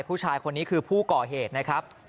ผู้ชายคนนี้คือผู้ก่อเหตุนะครับ